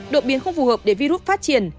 đột biến không phù hợp để virus phát triển